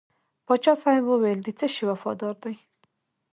پاچا صاحب وویل د څه شي وفاداره دی.